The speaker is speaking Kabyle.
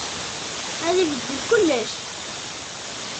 Ad ibeddel kullec.